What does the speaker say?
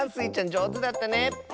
じょうずだったね！